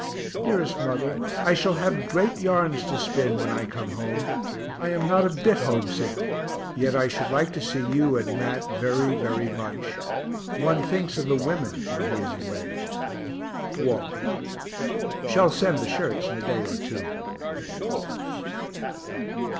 Dearest mother, I shall have great yarns to spin, when I come home. I am not a bit homesick, yet I should like to see you and Mat very, very much one thinks of the women when he is away. WALT. Shall send the shirts in a day or two.